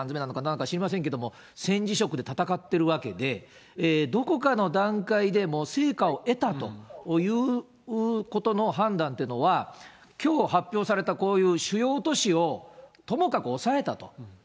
んなのか知りませんけれども、戦時食で戦ってるわけで、どこかの段階でも成果を得たということの判断っていうのは、きょう発表されたこういう主要都市をともかくおさえたと。